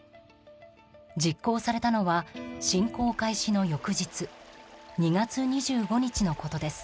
実行されたのは、侵攻開始の翌日２月２５日のことです。